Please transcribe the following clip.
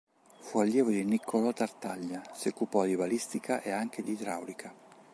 Fu allievo di Niccolò Tartaglia: si occupò di balistica e anche di idraulica.